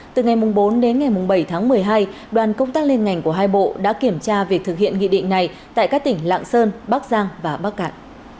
từ ngày bốn đến ngày bảy tháng một mươi hai đoàn công tác liên ngành của hai bộ đã kiểm tra việc thực hiện nghị định này tại các tỉnh lạng sơn bắc giang và bắc cạn